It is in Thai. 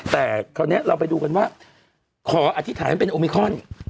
แต่คราวนี้เราไปดูกันว่าขออธิษฐานให้เป็นโอมิคอน